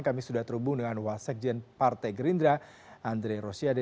kami sudah terhubung dengan wasekjen partai gerindra andre rosiade